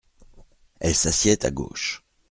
Elle s’assied à gauche.